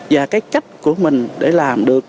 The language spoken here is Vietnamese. và cái cách của mình để làm được